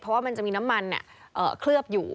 เพราะว่ามันจะมีน้ำมันเคลือบอยู่